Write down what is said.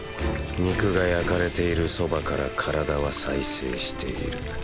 肉が焼かれているそばから体は再生している。